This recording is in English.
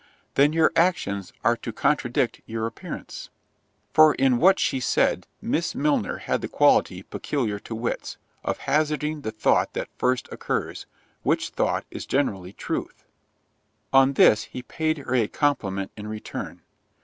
"Then your actions are to contradict your appearance." For in what she said, Miss Milner had the quality peculiar to wits, of hazarding the thought that first occurs, which thought, is generally truth. On this, he paid her a compliment in return.